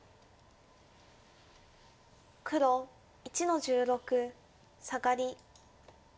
黒１の十六サガリ。